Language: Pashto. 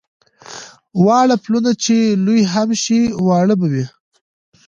واړه پلونه چې لوی هم شي واړه به وي.